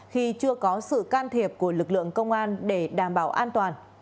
khi chưa có sự can thiệp của lực lượng công an để đảm bảo an toàn